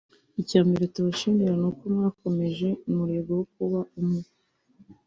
Icya mbere tubashimira ni uko mwakomeje umurego wo kuba umwe